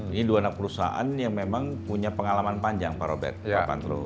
ini dua anak perusahaan yang memang punya pengalaman panjang pak robert pak pantro